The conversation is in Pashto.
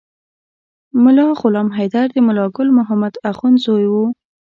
ملا غلام حیدر د ملا ګل محمد اخند زوی و.